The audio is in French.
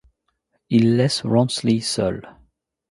Il laisse Wronsli seul.